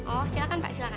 oh silakan pak silakan